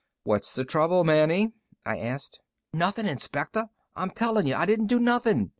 "What's the trouble, Manny?" I asked. "Nothing, Inspector; I'm telling you, I didn't do nothing.